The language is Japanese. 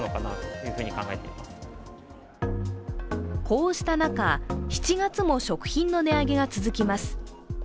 こうした中、７月も食品の値上げが続きます。